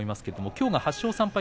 きょうが８勝３敗